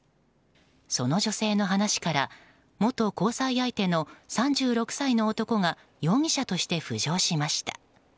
その女性の話から、元交際相手の３６歳の男が容疑者として浮上しました。